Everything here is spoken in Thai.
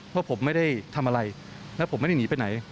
ว่าผมไม่ได้ทำอะไรแล้วผมไม่ได้หนีไปไหน